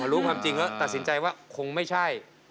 รู้ความจริงก็ตัดสินใจว่าคงไม่ใช่